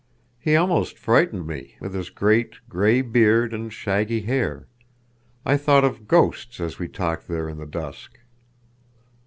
He almost frightened me, with his great, gray beard and shaggy hair. I thought of ghosts as we talked there in the dusk."